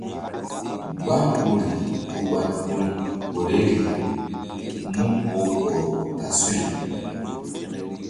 Gbam woyri ku ɓa gun horeri mu oh hɔrɔ ta suy.